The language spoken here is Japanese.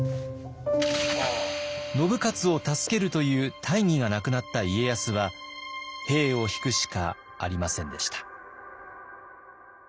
信雄を助けるという大義が無くなった家康は兵を引くしかありませんでした。